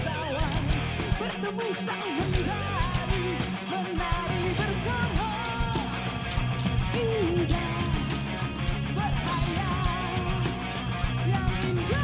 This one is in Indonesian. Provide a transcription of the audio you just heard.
yang memiliki identitas yang bangga bagi para pelabur indonesia